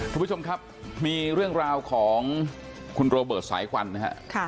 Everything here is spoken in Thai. คุณผู้ชมครับมีเรื่องราวของคุณโรเบิร์ตสายควันนะฮะ